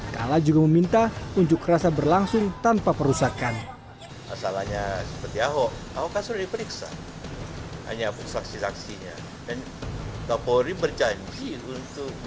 kala juga meminta unjuk rasa berlangsung tanpa perusakan